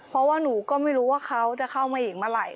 เพราะว่าหนูก็ไม่รู้ว่าเขาจะเข้ามาอีกเมื่อไหร่